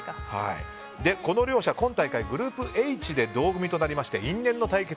この両者、今大会グループＨで同組となりまして因縁の対決。